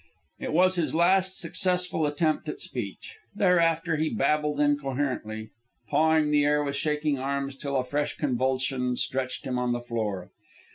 It was his last successful attempt at speech. Thereafter he babbled incoherently, pawing the air with shaking arms till a fresh convulsion stretched him on the floor.